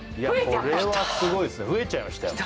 これはすごいですね増えちゃいましたよ